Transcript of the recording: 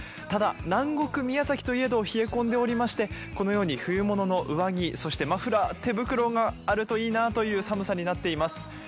ただ、南国・宮崎といえど冷え込んでおりましてこのように冬物の上着、マフラー手袋があるといいなという寒さになっています。